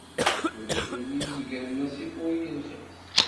Ulac win izegren asif ur yelxis.